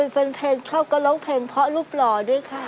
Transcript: แฟนเพลงชอบก็ร้องเพลงเพราะรูปหล่อด้วยค่ะ